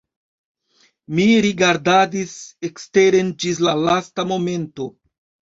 Mi rigardadis eksteren ĝis la lasta momento.